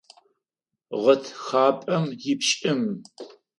Гъэтхапэм ипшӏым.